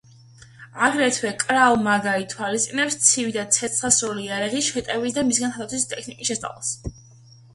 აგრეთვე, კრავ მაგა ითვალისწინებს ცივი და ცეცხლსასროლი იარაღით შეტევის და მისგან თავდაცვის ტექნიკის შესწავლას.